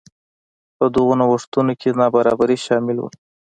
په دغو نوښتونو کې نابرابري شامل وو.